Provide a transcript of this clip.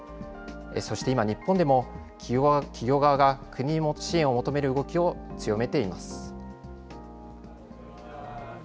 そして今、日本でも企業側が国に支援を求める動きを強めています。